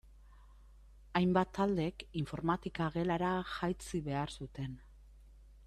Hainbat taldek informatika gelara jaitsi behar zuten.